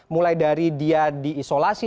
mulai dari dia diisolasi